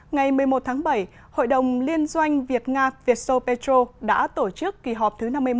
ngày một mươi một tháng bảy hội đồng liên doanh việt nga vietso petro đã tổ chức kỳ họp thứ năm mươi một